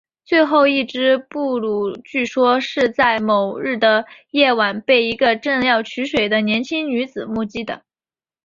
最后一只布鲁据说是在某日的夜晚被一个正在取水的年轻女子目击的。